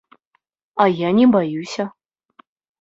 А я не баюся.